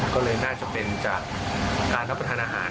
ก็เลยน่าจะเป็นจากการรับประทานอาหาร